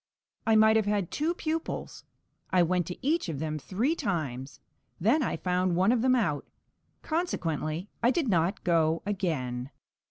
I might have had two pupils. I went to each of them three times, then I found one of them out; consequently I did not go again.